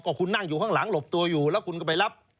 คุณนั่งอยู่ข้างหลังหลบตัวอยู่แล้วคุณก็ไปรับ